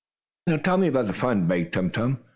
"Now tell me about the fun," begged Tum Tum.